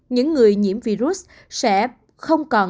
những người nhiễm virus sẽ không còn